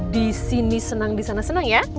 di sini senang di sana senang ya